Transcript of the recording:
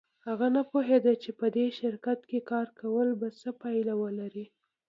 هغه نه پوهېده چې په دې شرکت کې کار کول به څه پایله ولري